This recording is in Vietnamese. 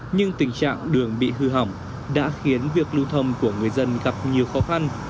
nhưng tình trạng đường bị hư hỏng đã khiến việc lưu thông của người dân gặp nhiều khó khăn